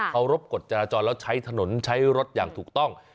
เขารบกฎจราจรแล้วใช้ถนนใช้รถอย่างถูกต้อง